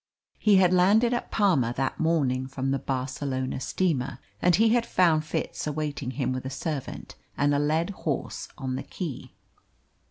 He had landed at Palma that morning from the Barcelona steamer, and he had found Fitz awaiting him with a servant and a led horse on the quay.